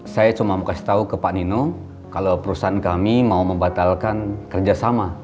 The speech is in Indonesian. saya cuma mau kasih tahu ke pak nino kalau perusahaan kami mau membatalkan kerjasama